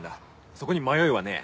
そこに迷いはねえ。